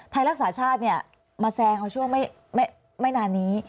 ไทยรักษาชาติมาแซงเขาช่วงไม่นานนี้